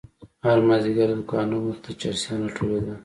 هر مازيگر د دوکانو مخې ته چرسيان راټولېدل.